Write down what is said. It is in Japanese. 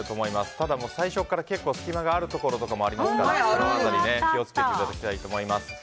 ただ、最初から結構隙間があるところもありますから気を付けていただきたいと思います。